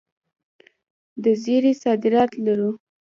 د زیرې صادرات لرو؟